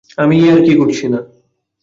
আমি ইয়ার্কি করছি না।